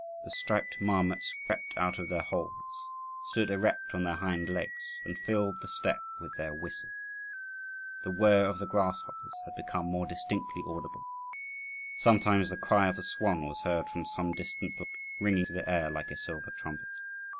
The striped marmots crept out of their holes, stood erect on their hind legs, and filled the steppe with their whistle. The whirr of the grasshoppers had become more distinctly audible. Sometimes the cry of the swan was heard from some distant lake, ringing through the air like a silver trumpet.